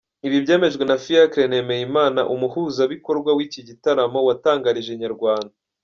Ibi byemejwe na Fiacre Nemeyimana umuhuzabikorwa w'iki gitaramo watangarije Inyarwanda.